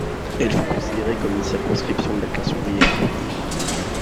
Elle fut considérée comme une circonscription de la classe ouvrière.